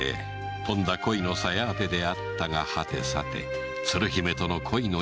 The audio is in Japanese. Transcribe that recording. とんだ恋のさや当てであったがはてさて鶴姫との恋の行方はどうなるのやら